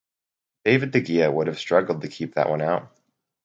David De Gea would have struggled to keep that one out.